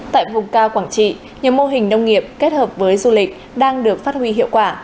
tại vùng cao quảng trị nhiều mô hình nông nghiệp kết hợp với du lịch đang được phát huy hiệu quả